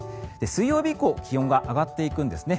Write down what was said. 水曜日以降気温が上がっていくんですね。